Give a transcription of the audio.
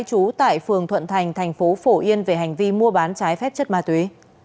trú tại phường thuận thành thành phố phổ yên về hành vi mua bán trái phép chất ma túy